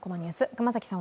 熊崎さん